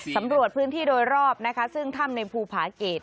สำรวจพื้นที่โดยรอบนะคะซึ่งถ้ำในภูผาเกรด